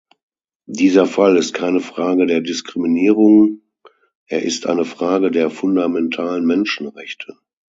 Dieser Fall ist keine Frage der Diskriminierung, er ist eine Frage der fundamentalen Menschenrechte.